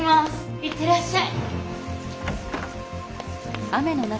行ってらっしゃい。